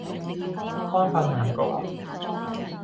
方法啱嘅話